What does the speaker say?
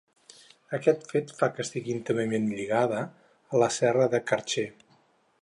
Aquest fet fa que estigui íntimament lligada a la Serra del Carxe.